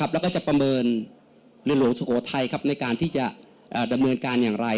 แล้วก็จะประเมินเรือหลวงสุโขทัยในการที่จะดำเนินการอย่างไร